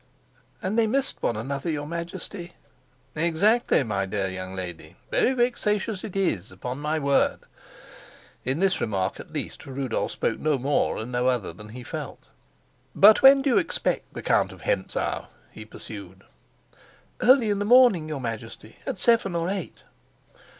"And they missed one another, your Majesty?" "Exactly, my dear young lady. Very vexatious it is, upon my word!" In this remark, at least, Rudolf spoke no more and no other than he felt. "But when do you expect the Count of Hentzau?" he pursued. "Early in the morning, your Majesty at seven or eight."